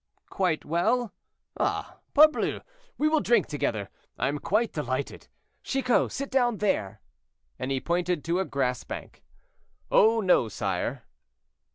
"Quite well? Ah, parbleu! we will drink together, I am quite delighted. Chicot, sit down there." And he pointed to a grass bank. "Oh no, sire!"